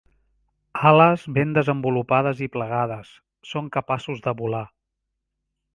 Ales ben desenvolupades i plegades, són capaços de volar.